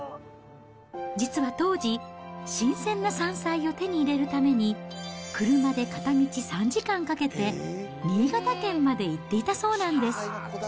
実は当時、新鮮な山菜を手に入れるために、車で片道３時間かけて、新潟県まで行っていたそうなんです。